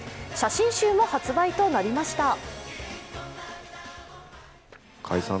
写真集も発売となりました。